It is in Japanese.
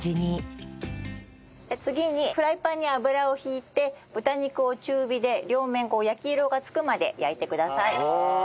次にフライパンに油を引いて豚肉を中火で両面焼き色が付くまで焼いてください。